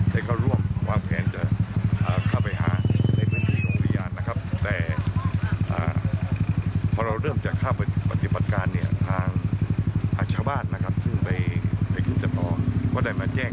และก็พบได้ศึกษาภาษณ์เสียชีวิตแล้ว